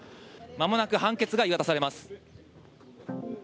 まもなく判決が言い渡されます。